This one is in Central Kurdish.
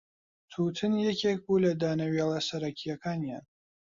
تووتن یەکێک بوو لە دانەوێڵە سەرەکییەکانیان.